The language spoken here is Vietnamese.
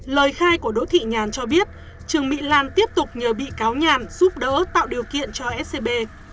lời khai của đỗ thị nhàn cho biết trương mỹ lan tiếp tục nhờ bị cáo nhàn giúp đỡ tạo điều kiện cho scb